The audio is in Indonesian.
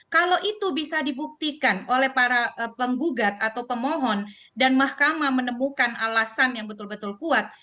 kalau itu bisa dibuktikan oleh para penggugat atau pemohon dan mahkamah menemukan alasan yang betul betul kuat